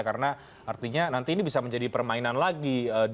karena artinya nanti ini bisa menjadi permainan lagi